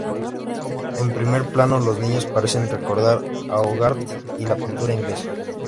En primer plano, los niños parecen recordar a Hogarth y la pintura inglesa.